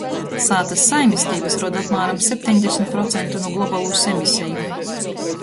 Sātys saimisteibys roda apmāram septeņdesmit procentu nu globalūs emiseju.